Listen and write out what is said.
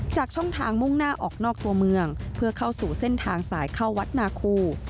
ช่องทางมุ่งหน้าออกนอกตัวเมืองเพื่อเข้าสู่เส้นทางสายเข้าวัดนาคู